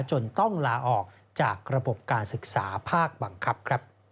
จนต้องลาออกจากระบบการศึกษาภาคบังคับ